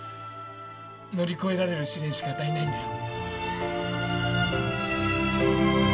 乗り越えられる試練しか与えないんだよ